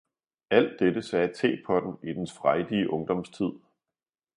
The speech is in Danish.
Alt dette sagde tepotten i dens frejdige ungdomstid.